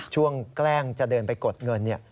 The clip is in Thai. แกล้งจะเดินไปกดเงิน